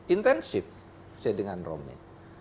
intensif saya dengan romi